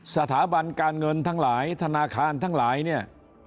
สถาบันการเงินทั้งหลายธนาคารทั้งหลายเนี่ย